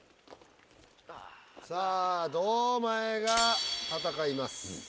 さあ堂前が戦います。